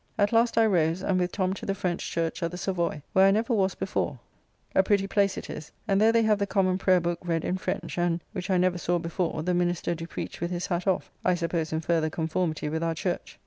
At last I rose, and with Tom to the French Church at the Savoy, where I never was before a pretty place it is and there they have the Common Prayer Book read in French, and, which I never saw before, the minister do preach with his hat off, I suppose in further conformity with our Church.